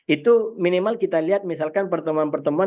itu minimal kita lihat misalkan pertemuan pertemuan